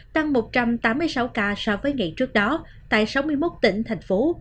tăng một trăm tám mươi sáu ca so với ngày trước đó tại sáu mươi một tỉnh thành phố